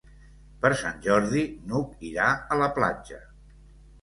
Per Sant Jordi n'Hug irà a la platja.